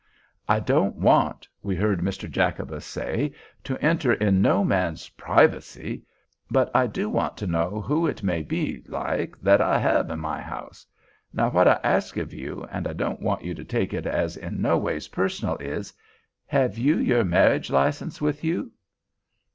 "I don't want," we heard Mr. Jacobus say, "to enter in no man's pry vacy; but I do want to know who it may be, like, that I hev in my house. Now what I ask of you, and I don't want you to take it as in no ways personal, is—hev you your merridge license with you?"